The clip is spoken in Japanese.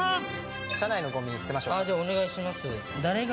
車内のゴミ捨てましょうか。